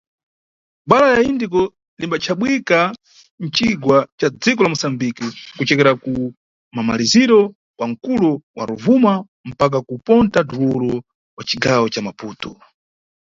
Bhara la Indiko limbachabwika mcigwa ca dziko la Moçambike, kucokera ku mamaliziro kwa mkulo wa Rovuma mpaka ku Ponta do Ouro, mʼcigawo ca Maputo.